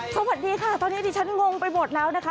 สวัสดีค่ะตอนนี้ดิฉันงงไปหมดแล้วนะคะ